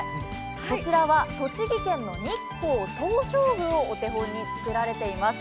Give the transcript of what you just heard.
こちらは栃木県の日光東照宮をお手本に造られています。